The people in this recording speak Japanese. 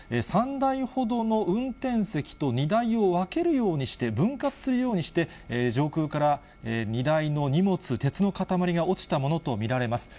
３台ほどの運転席と荷台を分けるようにして分割するようにして、上空から荷台の荷物、鉄の塊が落ちたものと見られます。